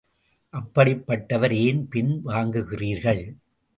அப்படிப்பட்டவர் ஏன் பின் வாங்குகிறீர்கள்.